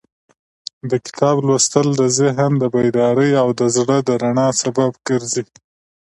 د کتاب لوستل د ذهن د بیدارۍ او د زړه د رڼا سبب ګرځي.